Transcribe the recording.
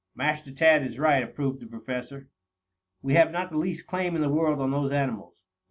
"Master Tad is right," approved the Professor. "We have not the least claim in the world on those animals.